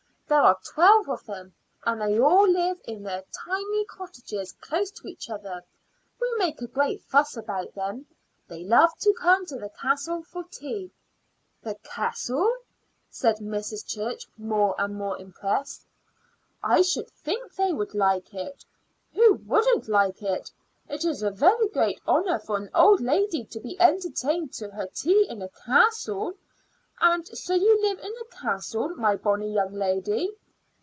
There are twelve of them, and they all live in their tiny cottages close to each other. We make a great fuss about them. They love to come to the castle for tea." "The castle!" said Mrs. Church, more and more impressed. "I should think they would like it. Who wouldn't like it? It's a very great honor for an old lady to be entertained to her tea in a castle. And so you live in a castle, my bonny young lady?"